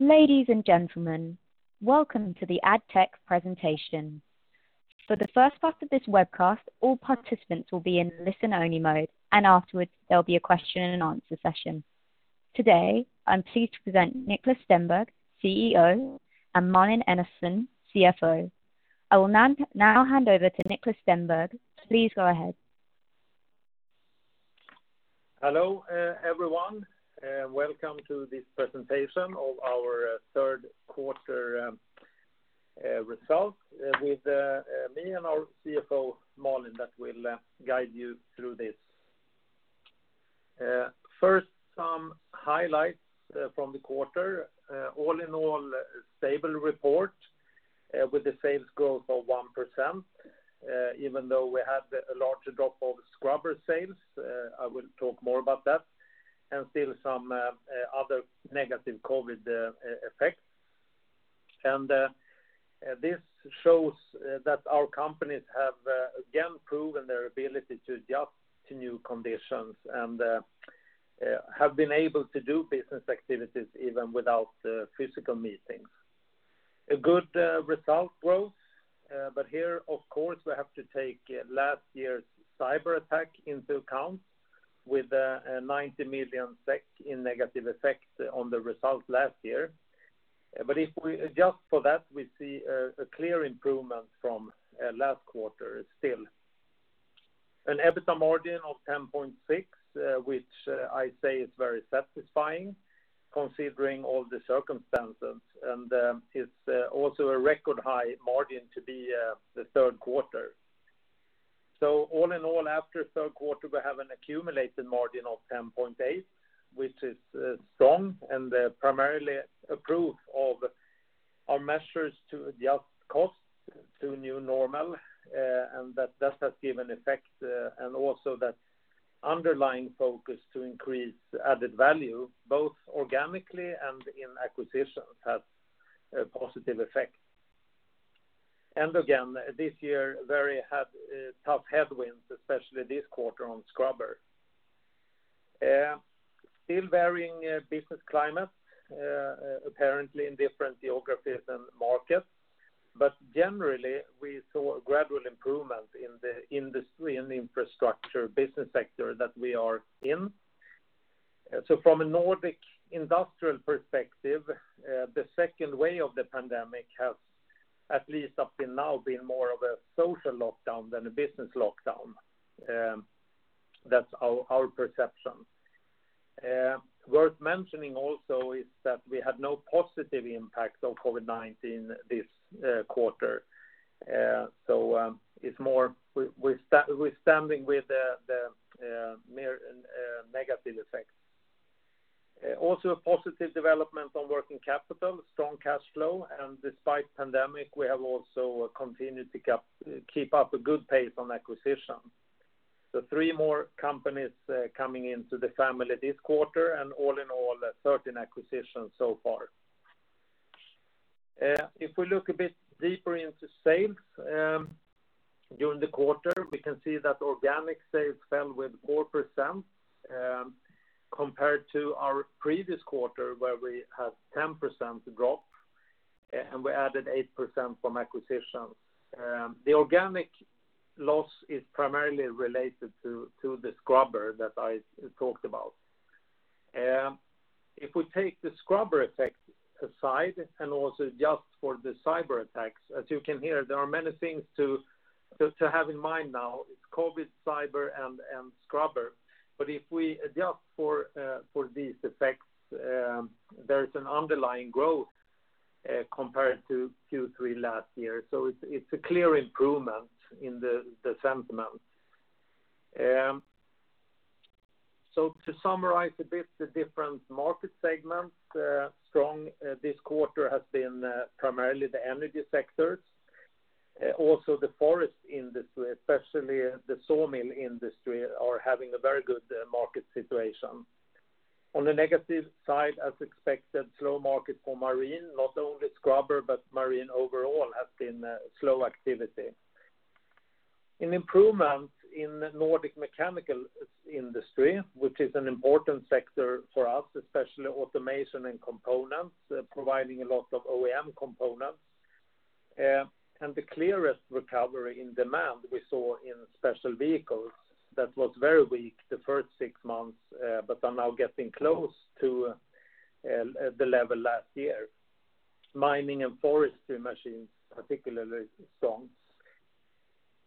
Ladies and gentlemen, welcome to the Addtech presentation. For the first part of this webcast, all participants will be in listen-only mode, and afterwards, there will be a question and answer session. Today, I'm pleased to present Niklas Stenberg, CEO, and Malin Andersson, CFO. I will now hand over to Niklas Stenberg. Please go ahead. Hello, everyone. Welcome to this presentation of our third quarter results with me and our CFO, Malin, that will guide you through this. First, some highlights from the quarter. All in all, a stable report with the sales growth of 1%, even though we had a larger drop of scrubber sales, I will talk more about that, and still some other negative COVID effects. This shows that our companies have again proven their ability to adjust to new conditions and have been able to do business activities even without physical meetings. A good result growth, but here, of course, we have to take last year's cyber attack into account with 90 million SEK in negative effect on the result last year. If we adjust for that, we see a clear improvement from last quarter still. An EBITDA margin of 10.6%, which I say is very satisfying considering all the circumstances. It's also a record-high margin to be the third quarter. All in all, after third quarter, we have an accumulated margin of 10.8%, which is strong, primarily a proof of our measures to adjust costs to new normal, that has given effect, also that underlying focus to increase added value, both organically and in acquisitions, has a positive effect. Again, this year, very tough headwinds, especially this quarter on scrubber. Still varying business climate apparently in different geographies and markets. Generally, we saw a gradual improvement in the industry and the infrastructure business sector that we are in. From a Nordic industrial perspective, the second wave of the pandemic has at least up till now been more of a social lockdown than a business lockdown. That's our perception. Worth mentioning also is that we had no positive impacts of COVID-19 this quarter. We're standing with the mere negative effects. A positive development on working capital, strong cash flow, and despite pandemic, we have also continued to keep up a good pace on acquisitions. Three more companies coming into the family this quarter, and all in all, 13 acquisitions so far. If we look a bit deeper into sales during the quarter, we can see that organic sales fell with 4% compared to our previous quarter where we had 10% drop, and we added 8% from acquisitions. The organic loss is primarily related to the scrubber that I talked about. If we take the scrubber effect aside and also adjust for the cyber attacks, as you can hear, there are many things to have in mind now. It's COVID, cyber, and scrubber. If we adjust for these effects, there is an underlying growth compared to Q3 last year. It's a clear improvement in the sentiment. To summarize a bit the different market segments, strong this quarter has been primarily the Energy sectors. Also the forest industry, especially the sawmill industry, are having a very good market situation. On the negative side, as expected, slow market for marine, not only scrubber, but marine overall has been slow activity. An improvement in Nordic mechanical industry, which is an important sector for us, especially Automation and Components, providing a lot of OEM components. The clearest recovery in demand we saw in special vehicles that was very weak the first six months, but are now getting close to the level last year. Mining and forestry machines, particularly strong.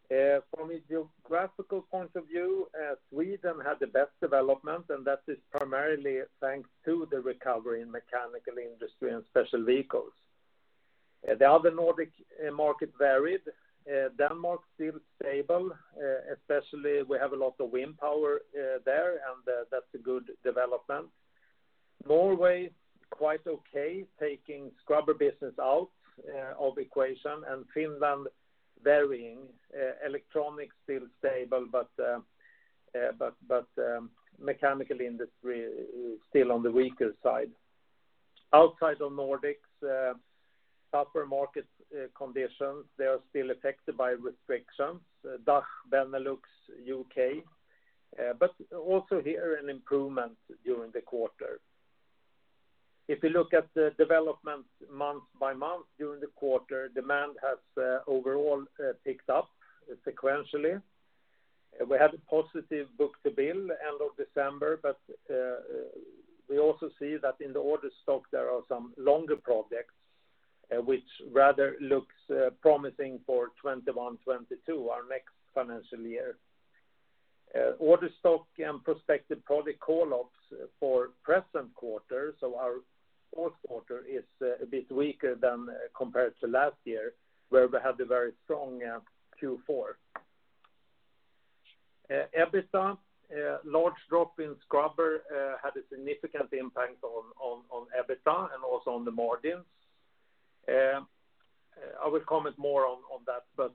From a geographical point of view, Sweden had the best development, that is primarily thanks to the recovery in mechanical industry and special vehicles. The other Nordic market varied. Denmark still stable, especially we have a lot of wind power there, that's a good development. Norway, quite okay, taking scrubber business out of equation. Finland varying. Electronics still stable, mechanical industry is still on the weaker side. Outside of Nordics, tougher market conditions, they are still affected by restrictions. DACH, Benelux, U.K. Also here an improvement during the quarter. If you look at the development month by month during the quarter, demand has overall picked up sequentially. We had a positive book-to-bill end of December, we also see that in the order stock, there are some longer projects, which rather looks promising for 2021, 2022, our next financial year. Order stock and prospective project call-ups for present quarter. Our fourth quarter is a bit weaker than compared to last year, where we had a very strong Q4. EBITDA. Large drop in scrubber had a significant impact on EBITDA and also on the margins. I will comment more on that.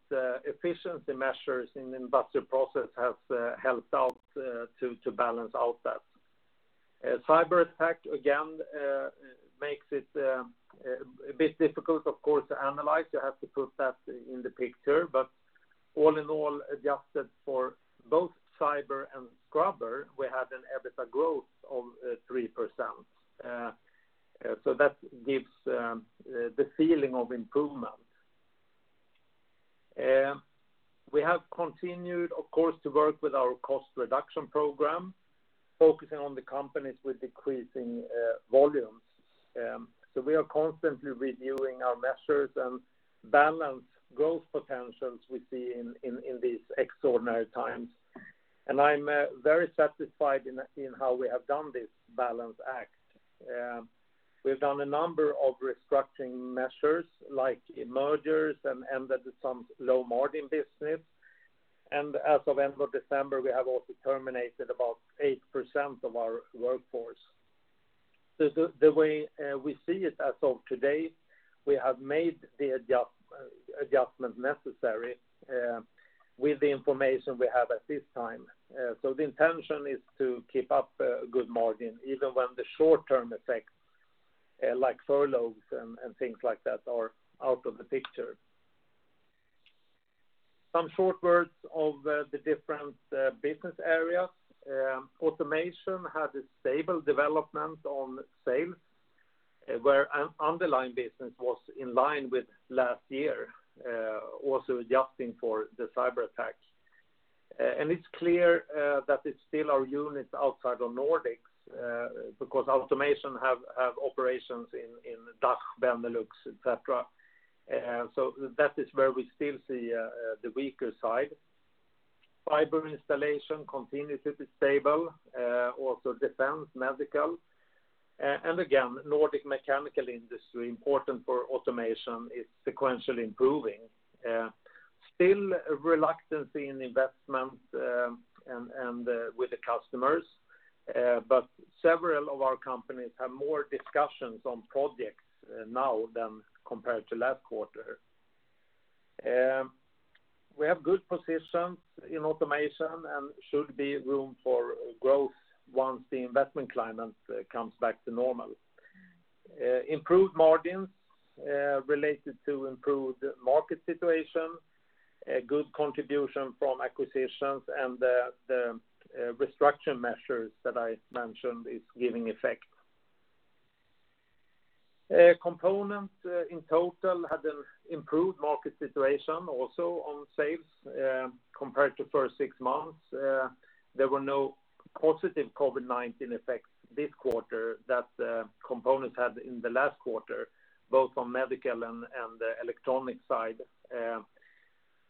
Efficiency measures in investment process have helped out to balance out that. Cyber attack, again, makes it a bit difficult, of course, to analyze. You have to put that in the picture. All in all, adjusted for both cyber and scrubber, we had an EBITDA growth of 3%. That gives the feeling of improvement. We have continued, of course, to work with our cost reduction program, focusing on the companies with decreasing volumes. We are constantly reviewing our measures and balance growth potentials we see in these extraordinary times. I'm very satisfied in how we have done this balance act. We've done a number of restructuring measures, like mergers and ended some low margin business. As of end of December, we have also terminated about 8% of our workforce. The way we see it as of today, we have made the adjustment necessary with the information we have at this time. The intention is to keep up good margin, even when the short-term effects like furloughs and things like that are out of the picture. Some short words of the different business areas. Automation had a stable development on sales, where underlying business was in line with last year, also adjusting for the cyber attack. It's clear that it's still our units outside of Nordics, because Automation have operations in DACH, Benelux, et cetera. That is where we still see the weaker side. Fiber installation continues to be stable, also defense, medical. Again, Nordic mechanical industry, important for Automation, is sequentially improving. Still reluctancy in investment and with the customers, but several of our companies have more discussions on projects now than compared to last quarter. We have good positions in Automation and should be room for growth once the investment climate comes back to normal. Improved margins related to improved market situation, good contribution from acquisitions, and the restructuring measures that I mentioned is giving effect. Components in total had an improved market situation also on sales compared to first six months. There were no positive COVID-19 effects this quarter that Components had in the last quarter, both on medical and the electronic side.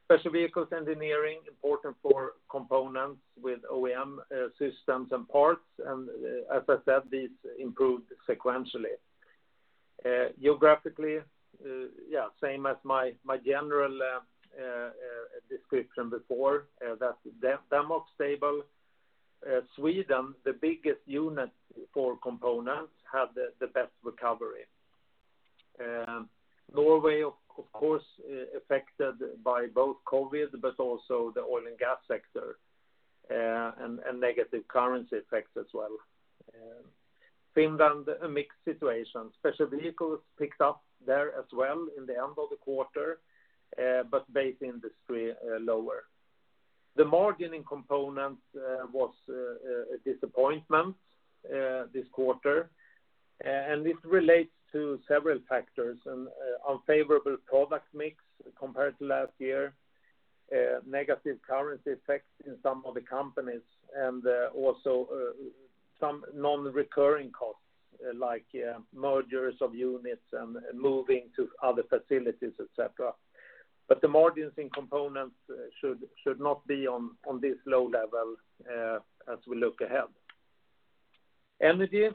Special Vehicles Engineering, important for Components with OEM systems and parts, as I said, these improved sequentially. Geographically, same as my general description before, that Denmark stable. Sweden, the biggest unit for Components, had the best recovery. Norway, of course, affected by both COVID-19, also the oil and gas sector, negative currency effects as well. Finland, a mixed situation. Special Vehicles picked up there as well in the end of the quarter, Base Industry lower. The margin in Components was a disappointment this quarter, this relates to several factors, an unfavorable product mix compared to last year, negative currency effects in some of the companies, also some non-recurring costs like mergers of units and moving to other facilities, et cetera. The margins in Components should not be on this low level as we look ahead. Energy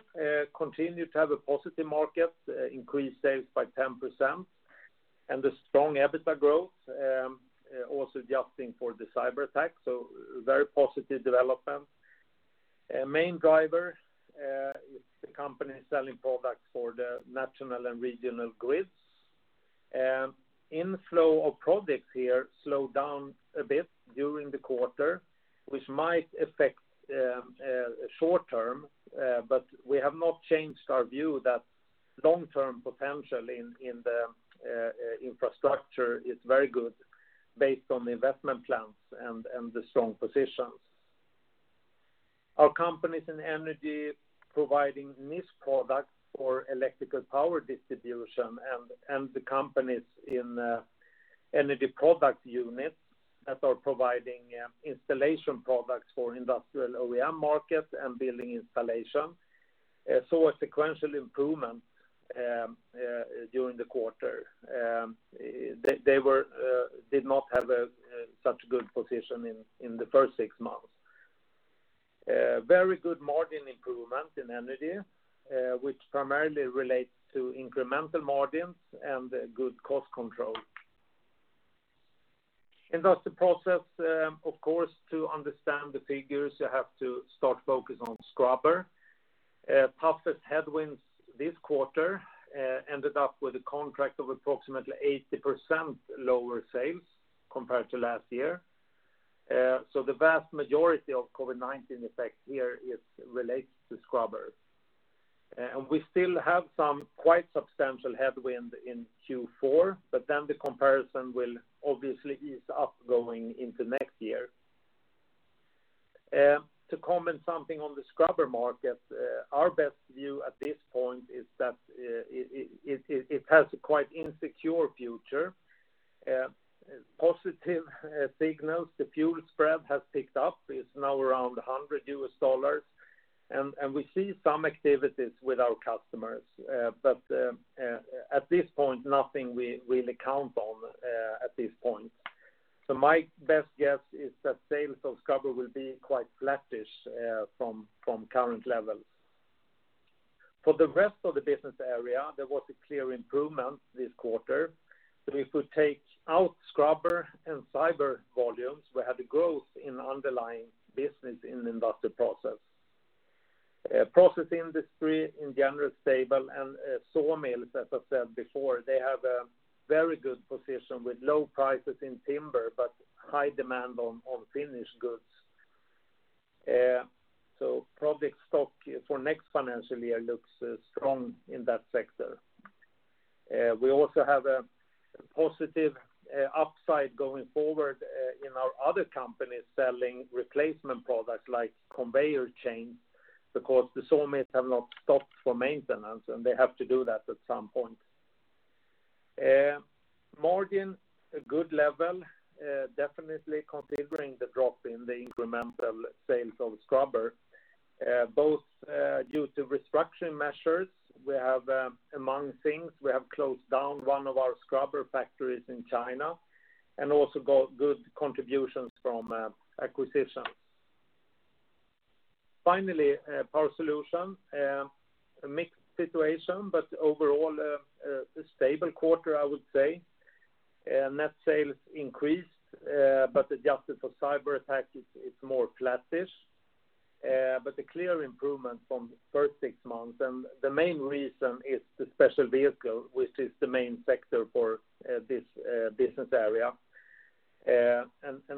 continued to have a positive market, increased sales by 10%, a strong EBITDA growth, also adjusting for the cyber attack, very positive development. Main driver is the company selling products for the national and regional grids. Inflow of projects here slowed down a bit during the quarter, which might affect short-term, but we have not changed our view that long-term potential in the infrastructure is very good based on the investment plans and the strong positions. Our companies in Energy providing niche products for electrical power distribution and the companies in Energy product units that are providing installation products for industrial OEM markets and building installation saw a sequential improvement during the quarter. They did not have such a good position in the first six months. Very good margin improvement in Energy, which primarily relates to incremental margins and good cost control. Industrial Process, of course, to understand the figures, you have to start focus on scrubber. Toughest headwinds this quarter ended up with a contract of approximately 80% lower sales compared to last year. The vast majority of COVID-19 effect here is related to scrubbers. We still have some quite substantial headwind in Q4, but then the comparison will obviously ease up going into next year. To comment something on the scrubber market, our best view at this point is that it has a quite insecure future. Positive signals, the fuel spread has picked up, it's now around $100, and we see some activities with our customers. At this point, nothing we really count on at this point. My best guess is that sales of scrubber will be quite flattish from current levels. For the rest of the business area, there was a clear improvement this quarter. If we take out scrubber and cyber volumes, we had a growth in underlying business in Industrial Process. Process industry in general is stable, and sawmills, as I said before, they have a very good position with low prices in timber, but high demand on finished goods. Project stock for next financial year looks strong in that sector. We also have a positive upside going forward in our other companies selling replacement products like conveyor chains, because the sawmills have not stopped for maintenance, and they have to do that at some point. Margin, a good level, definitely considering the drop in the incremental sales of scrubber, both due to restructuring measures. Among things, we have closed down one of our scrubber factories in China, and also got good contributions from acquisitions. Finally, Power Solutions, a mixed situation, but overall, a stable quarter, I would say. Net sales increased, adjusted for cyberattack, it's more flattish. A clear improvement from the first six months, and the main reason is the special vehicle, which is the main sector for this business area.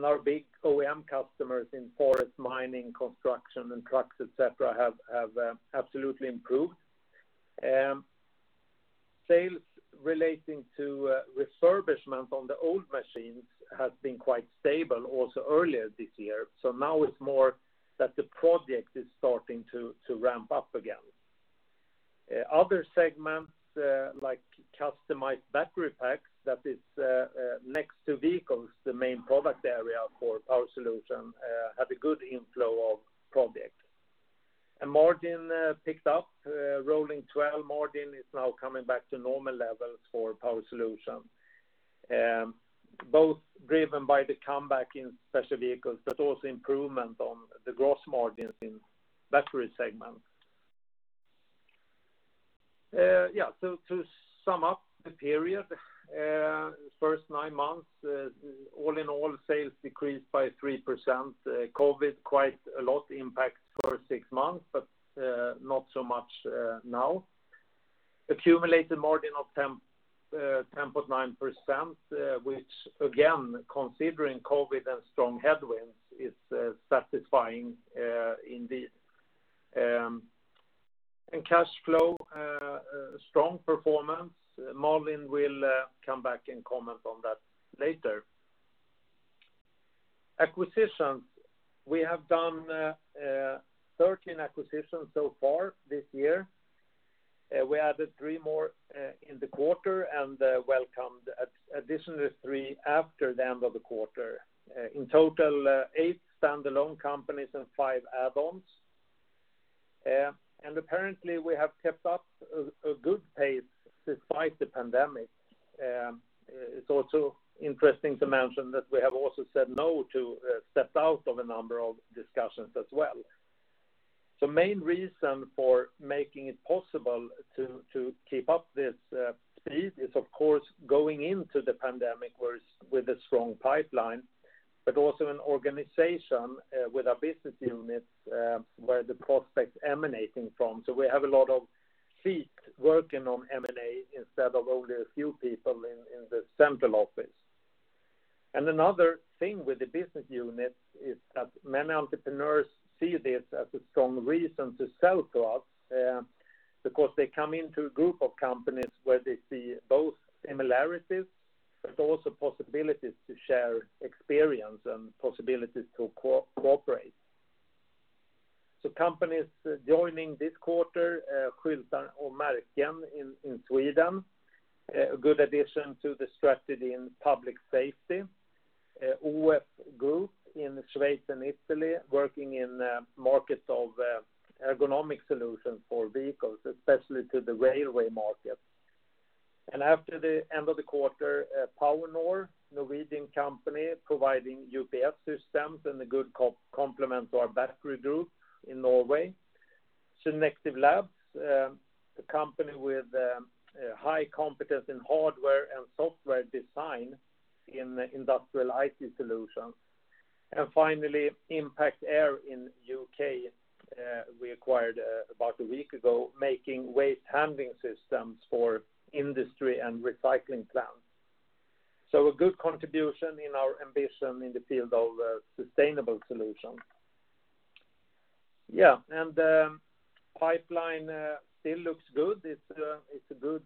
Our big OEM customers in forest mining, construction, and trucks, et cetera, have absolutely improved. Sales relating to refurbishment on the old machines has been quite stable also earlier this year. Now it's more that the project is starting to ramp up again. Other segments, like customized battery packs, that is next to vehicles, the main product area for Power Solutions, had a good inflow of projects. Margin picked up. Rolling 12 margin is now coming back to normal levels for Power Solutions, both driven by the comeback in special vehicles, but also improvement on the gross margins in battery segment. To sum up the period, first nine months, all in all, sales decreased by 3%. COVID-19, quite a lot impact for six months, but not so much now. Accumulated margin of 10.9%, which again, considering COVID-19 and strong headwinds, is satisfying indeed. Cash flow, strong performance. Malin will come back and comment on that later. Acquisitions. We have done 13 acquisitions so far this year. We added three more in the quarter and welcomed additional three after the end of the quarter. In total, eight standalone companies and five add-ons. Apparently, we have kept up a good pace despite the pandemic. It's also interesting to mention that we have also said no to step out of a number of discussions as well. Main reason for making it possible to keep up this speed is, of course, going into the COVID-19 with a strong pipeline, but also an organization with our business units, where the prospects emanating from. We have a lot of feet working on M&A instead of only a few people in the central office. Another thing with the business unit is that many entrepreneurs see this as a strong reason to sell to us, because they come into a group of companies where they see both similarities but also possibilities to share experience and possibilities to cooperate. Companies joining this quarter, Skyltar & Märken in Sweden, a good addition to the strategy in public safety. OF Group in Switzerland, Italy, working in markets of ergonomic solutions for vehicles, especially to the railway market. After the end of the quarter, Powernor, a Norwegian company providing UPS systems and a good complement to our battery group in Norway. Synective Labs, a company with high competence in hardware and software design in industrial IT solutions. Finally, Impact Air in U.K. we acquired about a week ago, making waste handling systems for industry and recycling plants. A good contribution in our ambition in the field of sustainable solutions. The pipeline still looks good. It's a good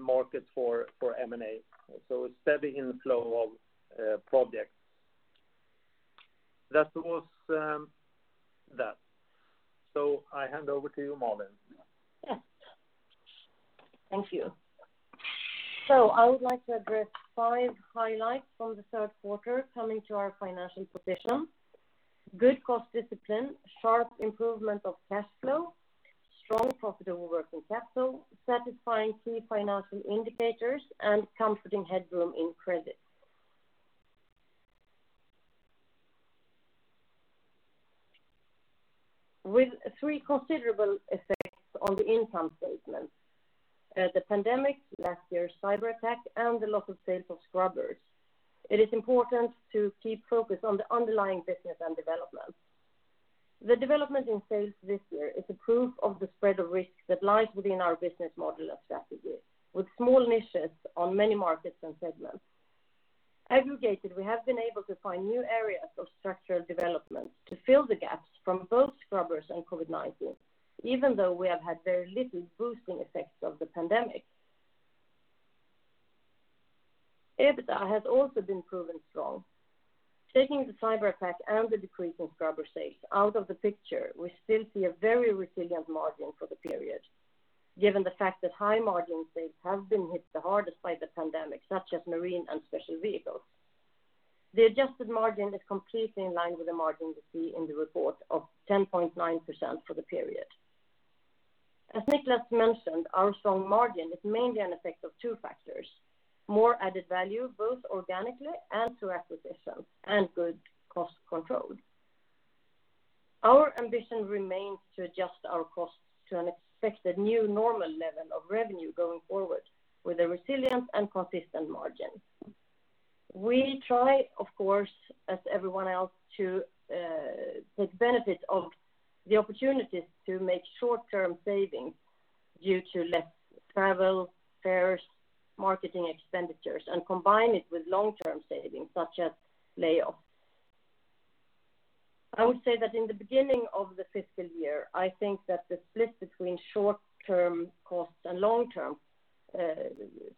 market for M&A. A steady inflow of projects. That was that. I hand over to you, Malin. Yes. Thank you. I would like to address five highlights from the third quarter coming to our financial position. Good cost discipline, sharp improvement of cash flow, strong profitable working capital, satisfying key financial indicators, and comforting headroom in credit. With three considerable effects on the income statement, the pandemic, last year's cyber attack, and the loss of sales of scrubbers, it is important to keep focus on the underlying business and development. The development in sales this year is a proof of the spread of risk that lies within our business model and strategy, with small niches on many markets and segments. Aggregated, we have been able to find new areas of structural development to fill the gaps from both scrubbers and COVID-19, even though we have had very little boosting effects of the pandemic. EBITDA has also been proven strong. Taking the cyber attack and the decrease in scrubber sales out of the picture, we still see a very resilient margin for the period, given the fact that high margin sales have been hit the hardest by the pandemic, such as marine and special vehicles. The adjusted margin is completely in line with the margin we see in the report of 10.9% for the period. As Niklas mentioned, our strong margin is mainly an effect of two factors, more added value both organically and through acquisitions, and good cost control. Our ambition remains to adjust our costs to an expected new normal level of revenue going forward with a resilient and consistent margin. We try, of course, as everyone else, to take benefit of the opportunities to make short-term savings due to less travel, fairs, marketing expenditures, and combine it with long-term savings such as layoffs. I would say that in the beginning of the fiscal year, I think that the split between short-term costs and long-term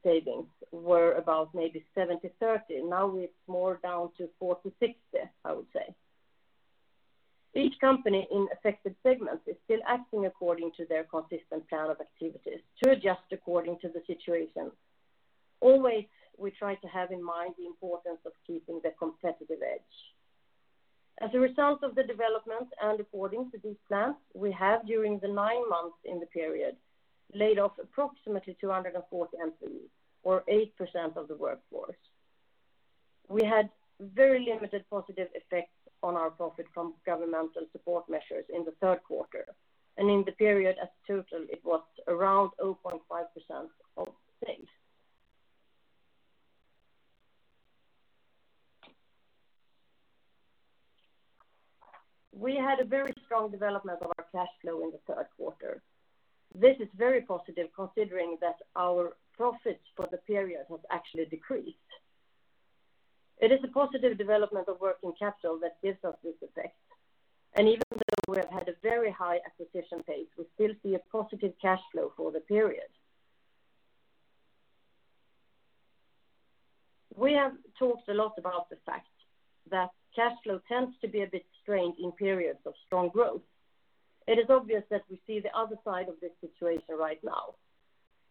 savings were about maybe 70/30. Now it's more down to 40/60, I would say. Each company in affected segments is still acting according to their consistent plan of activities to adjust according to the situation. Always, we try to have in mind the importance of keeping the competitive edge. As a result of the development and according to these plans, we have during the nine months in the period laid off approximately 240 employees or 8% of the workforce. We had very limited positive effects on our profit from governmental support measures in the third quarter. In the period as total, it was around 0.5% of sales. We had a very strong development of our cash flow in the third quarter. This is very positive considering that our profits for the period have actually decreased. It is a positive development of working capital that gives us this effect. Even though we have had a very high acquisition pace, we still see a positive cash flow for the period. We have talked a lot about the fact that cash flow tends to be a bit strained in periods of strong growth. It is obvious that we see the other side of this situation right now.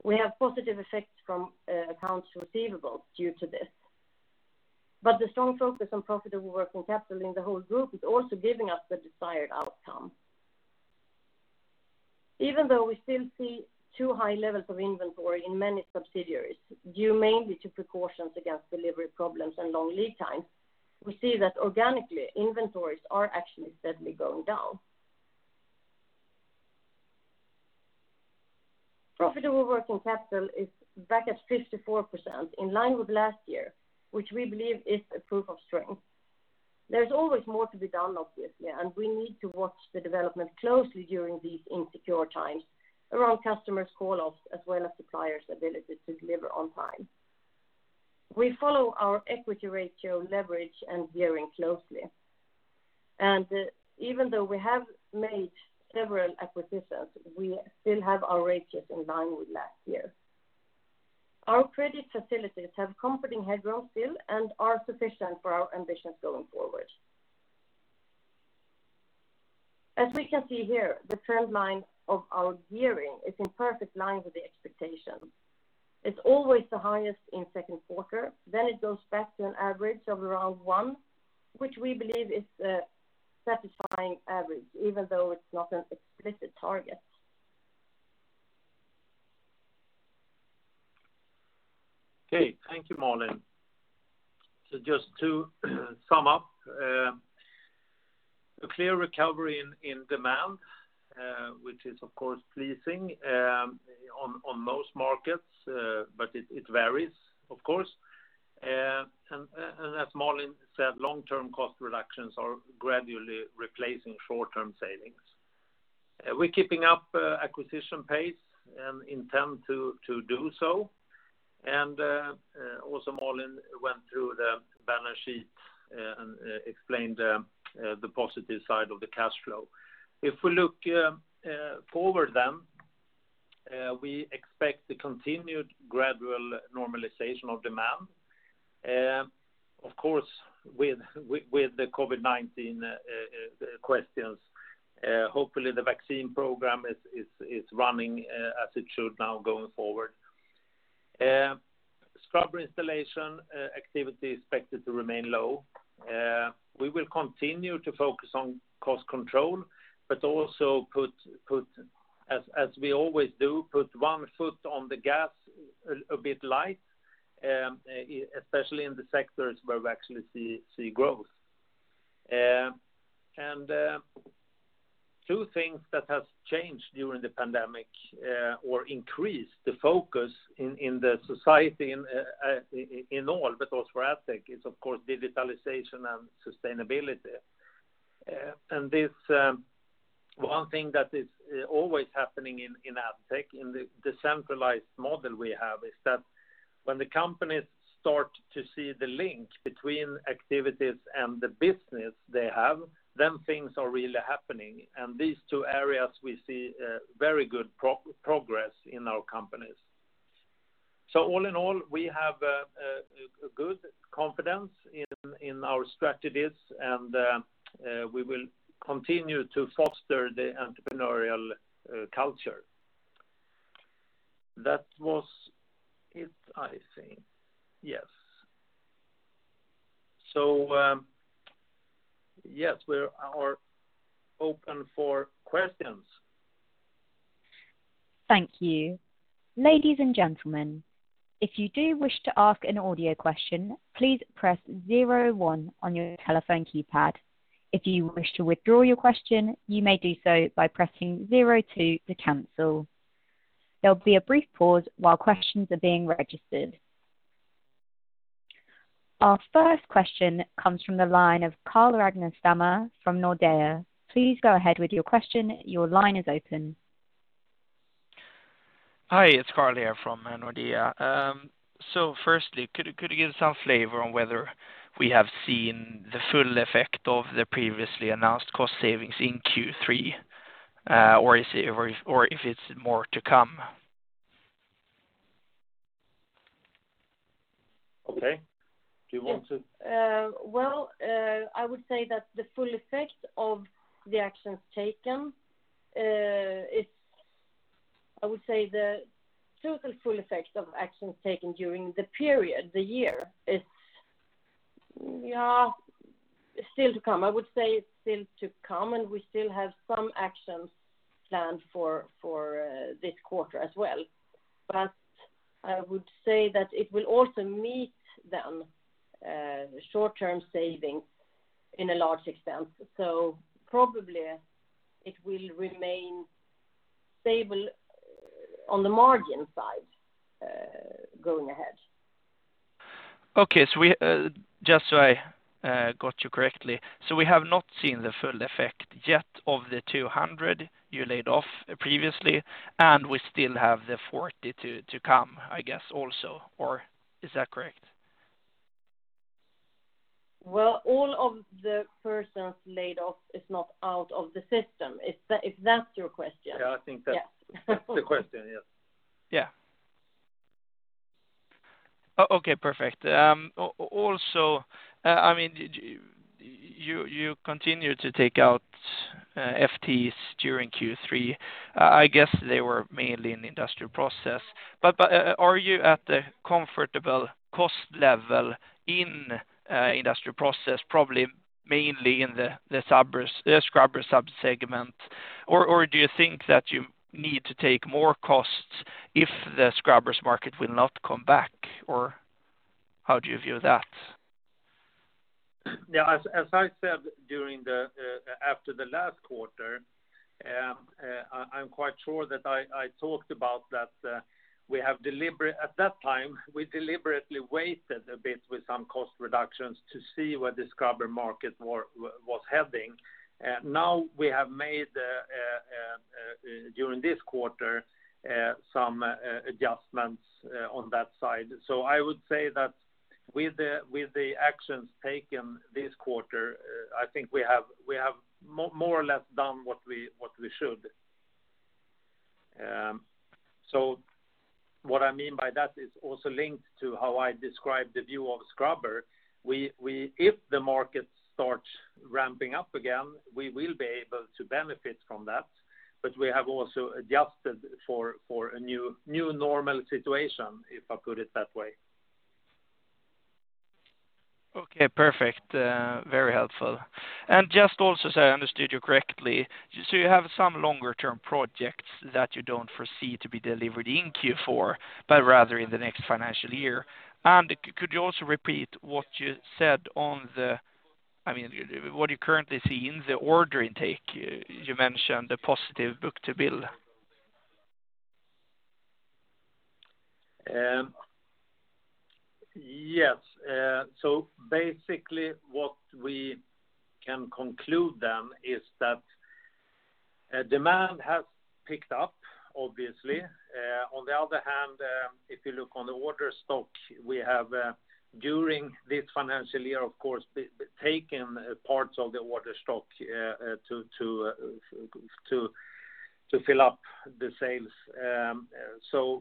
We have positive effects from accounts receivables due to this. The strong focus on profitable working capital in the whole group is also giving us the desired outcome. Even though we still see too high levels of inventory in many subsidiaries, due mainly to precautions against delivery problems and long lead times, we see that organically, inventories are actually steadily going down. Profitable working capital is back at 54%, in line with last year, which we believe is a proof of strength. There's always more to be done, obviously, and we need to watch the development closely during these insecure times around customers' call-offs as well as suppliers' ability to deliver on time. We follow our equity ratio leverage and gearing closely. Even though we have made several acquisitions, we still have our ratios in line with last year. Our credit facilities have comforting headroom still and are sufficient for our ambitions going forward. As we can see here, the trend line of our gearing is in perfect line with the expectation. It's always the highest in second quarter, then it goes back to an average of around one, which we believe is a satisfying average, even though it's not an explicit target. Okay. Thank you, Malin. Just to sum up. A clear recovery in demand, which is, of course, pleasing on most markets, but it varies, of course. As Malin said, long-term cost reductions are gradually replacing short-term savings. We're keeping up acquisition pace and intend to do so. Also Malin went through the balance sheet and explained the positive side of the cash flow. If we look forward then, we expect the continued gradual normalization of demand. Of course, with the COVID-19 questions, hopefully the vaccine program is running as it should now going forward. Scrubber installation activity is expected to remain low. We will continue to focus on cost control, but also, as we always do, put one foot on the gas a bit light, especially in the sectors where we actually see growth. Two things that have changed during the pandemic, or increased the focus in the society in all, but also for Addtech, is, of course, digitalization and sustainability. One thing that is always happening in Addtech in the decentralized model we have is that when the companies start to see the link between activities and the business they have, then things are really happening. These two areas we see very good progress in our companies. All in all, we have a good confidence in our strategies and we will continue to foster the entrepreneurial culture. That was it, I think. Yes. Yes, we are open for questions. Thank you. Ladies and gentlemen, if you do wish to ask an audio question, please press zero one on your telephone keypad. If you wish to withdraw your question, you may do so by pressing zero two to cancel. There'll be a brief pause while questions are being registered. Our first question comes from the line of Carl Ragnerstam from Nordea. Please go ahead with your question. Your line is open. Hi, it's Carl here from Nordea. Firstly, could you give some flavor on whether we have seen the full effect of the previously announced cost savings in Q3? Or if it's more to come? Okay. Do you want to? Well, I would say the total full effect of actions taken during the period, the year, is still to come. I would say it's still to come, and we still have some actions planned for this quarter as well. I would say that it will also meet the short-term savings in a large extent. Probably it will remain stable on the margin side going ahead. Just so I got you correctly. We have not seen the full effect yet of the 200 you laid off previously, and we still have the 40 to come, I guess, also, or is that correct? Well, all of the persons laid off is not out of the system, if that's your question. Yeah, I think that's the question. Yes. Yeah. Okay, perfect. Also, you continue to take out FTEs during Q3. I guess they were mainly in the Industrial Process. Are you at the comfortable cost level in Industrial Process, probably mainly in the scrubber sub-segment? Do you think that you need to take more costs if the scrubbers market will not come back? How do you view that? Yeah, as I said after the last quarter, I'm quite sure that I talked about that. At that time, we deliberately waited a bit with some cost reductions to see where the scrubber market was heading. We have made, during this quarter, some adjustments on that side. I would say that with the actions taken this quarter, I think we have more or less done what we should. What I mean by that is also linked to how I describe the view of scrubber. If the market starts ramping up again, we will be able to benefit from that, but we have also adjusted for a new normal situation, if I put it that way. Okay, perfect. Very helpful. Just also, so I understood you correctly, so you have some longer-term projects that you don't foresee to be delivered in Q4, but rather in the next financial year. Could you also repeat what you currently see in the order intake? You mentioned the positive book-to-bill. Yes. Basically what we can conclude then is that demand has picked up, obviously. On the other hand, if you look on the order stock we have during this financial year, of course, taken parts of the order stock to fill up the sales.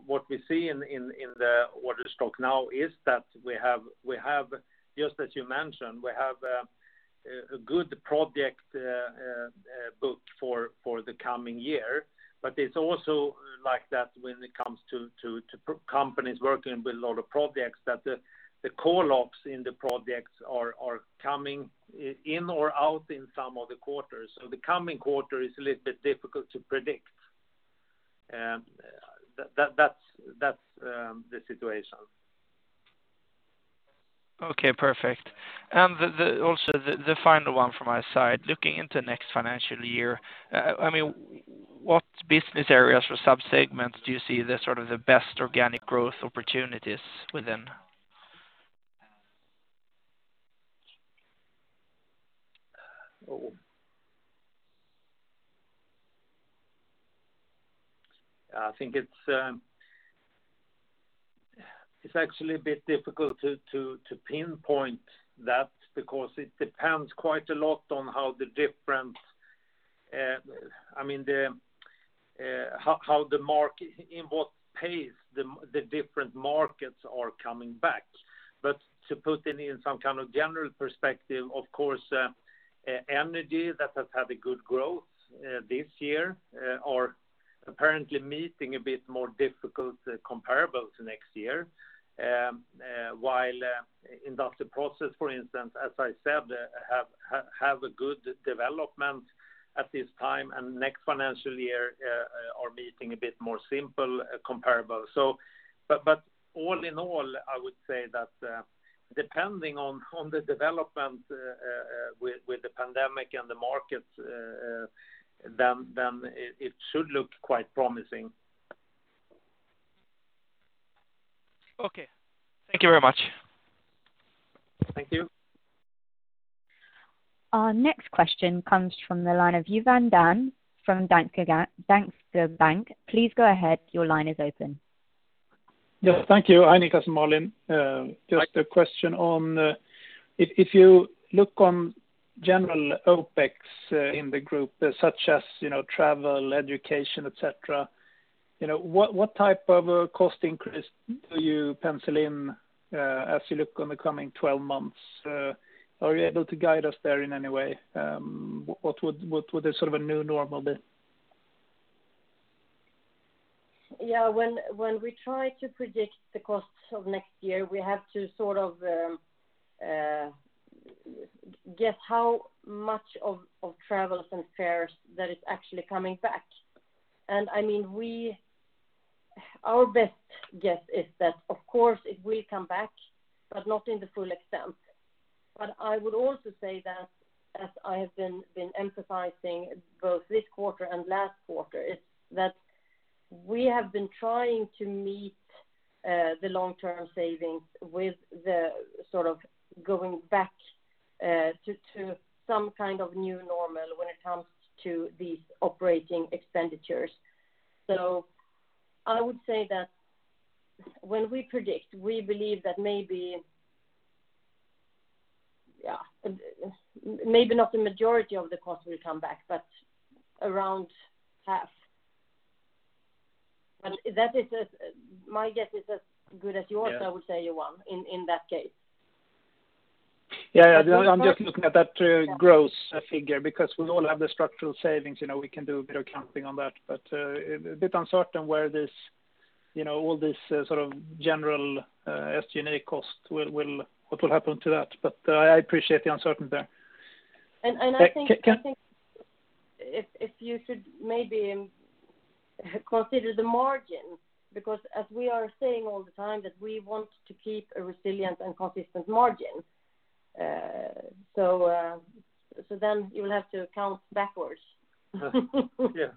What we see in the order stock now is that we have, just as you mentioned, a good project book for the coming year. It's also like that when it comes to companies working with a lot of projects that the core locks in the projects are coming in or out in some of the quarters. The coming quarter is a little bit difficult to predict. That's the situation. Okay, perfect. Also the final one from my side. Looking into next financial year, what business areas or sub-segments do you see the best organic growth opportunities within? I think it's actually a bit difficult to pinpoint that because it depends quite a lot on in what pace the different markets are coming back. To put it in some kind of general perspective, of course, Energy that has had a good growth this year are apparently meeting a bit more difficult comparable to next year. While Industrial Process, for instance, as I said, have a good development at this time and next financial year are meeting a bit more simple comparable. All in all, I would say that depending on the development with the pandemic and the market then it should look quite promising. Okay. Thank you very much. Thank you. Our next question comes from the line of Johan Dahl from Danske Bank. Please go ahead. Your line is open. Yes. Thank you. Hi, Niklas and Malin. Just a question on if you look on general OpEx in the group such as travel, education, et cetera, what type of cost increase do you pencil in as you look on the coming 12 months? Are you able to guide us there in any way? What would a new normal be? When we try to predict the costs of next year, we have to sort of guess how much of travels and fares that is actually coming back. Our best guess is that of course it will come back, but not in the full extent. I would also say that as I have been emphasizing both this quarter and last quarter, is that we have been trying to meet the long-term savings with the going back to some kind of new normal when it comes to these operating expenditures. I would say that when we predict, we believe that maybe not the majority of the cost will come back, but around half. My guess is as good as yours I would say, Johan, in that case. Yeah. I'm just looking at that gross figure because we all have the structural savings. We can do a bit of counting on that, but a bit uncertain where all this sort of general SG&A cost, what will happen to that, but I appreciate the uncertainty there. I think if you should maybe consider the margin, because as we are saying all the time, that we want to keep a resilient and consistent margin. You will have to count backwards. Yeah.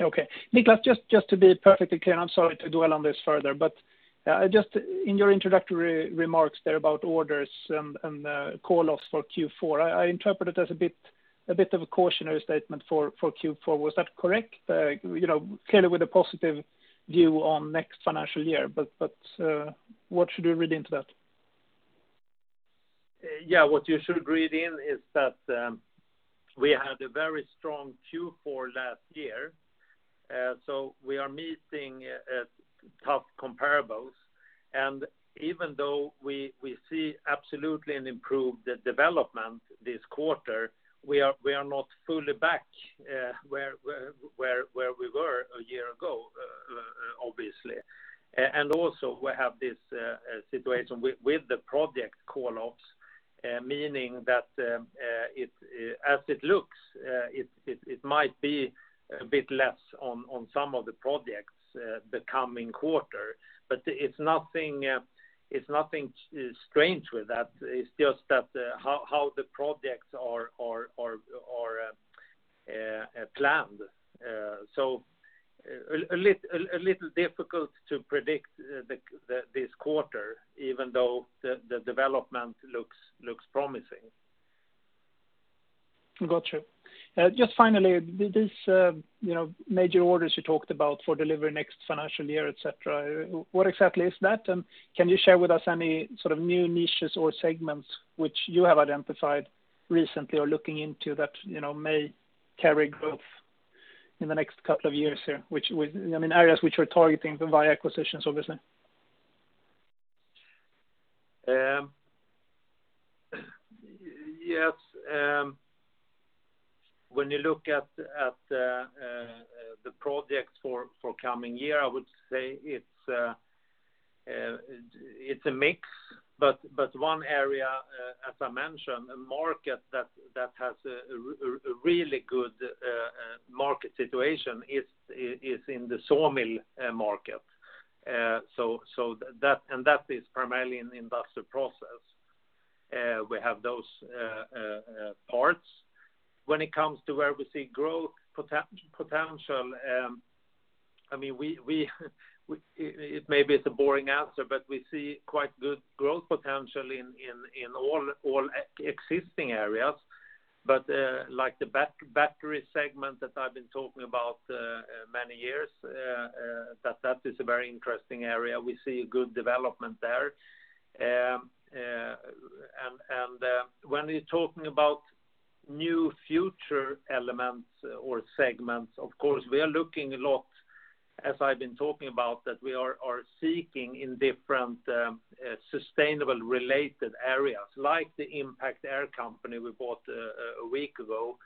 Okay. Niklas, just to be perfectly clear, and I'm sorry to dwell on this further, but just in your introductory remarks there about orders and call-offs for Q4, I interpret it as a bit of a cautionary statement for Q4. Was that correct? Clearly with a positive view on next financial year, but what should we read into that? Yeah, what you should read in is that we had a very strong Q4 last year. We are meeting at tough comparables, and even though we see absolutely an improved development this quarter, we are not fully back where we were a year ago, obviously. Also, we have this situation with the project call-offs, meaning that as it looks it might be a bit less on some of the projects the coming quarter. It's nothing strange with that. It's just how the projects are planned. A little difficult to predict this quarter, even though the development looks promising. Got you. Just finally, these major orders you talked about for delivery next financial year, et cetera, what exactly is that? Can you share with us any sort of new niches or segments which you have identified recently or looking into that may carry growth in the next couple of years here? Areas which we're targeting via acquisitions, obviously. Yes. When you look at the project for coming year, I would say it's a mix. One area, as I mentioned, a market that has a really good market situation is in the Sawmill market. That is primarily in the Industrial Process. We have those parts. When it comes to where we see growth potential, maybe it's a boring answer, but we see quite good growth potential in all existing areas. Like the battery segment that I've been talking about many years, that is a very interesting area. We see a good development there. When you're talking about new future elements or segments, of course, we are looking a lot, as I've been talking about, that we are seeking in different sustainable related areas, like the Impact Air company we bought a week ago,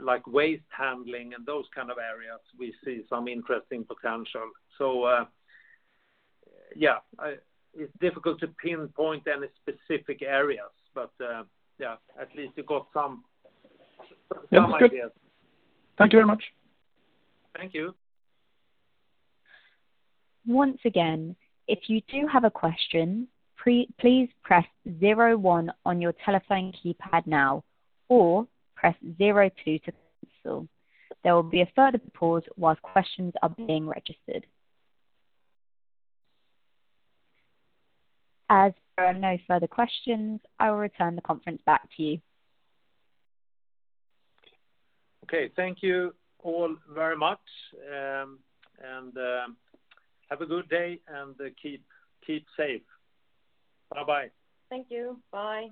like waste handling and those kind of areas, we see some interesting potential. Yeah, it's difficult to pinpoint any specific areas, but, yeah, at least you got some ideas. That's good. Thank you very much. Thank you. Once again, if you do have a question, please press zero one on your telephone keypad now, or press zero two to cancel. There will be a further pause whilst questions are being registered. As there are no further questions, I will return the conference back to you. Okay. Thank you all very much, and have a good day and keep safe. Bye-bye. Thank you. Bye.